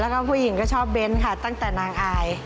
แล้วก็ผู้หญิงก็ชอบเบ้นค่ะตั้งแต่นางอาย